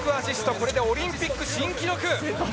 これでオリンピック新記録！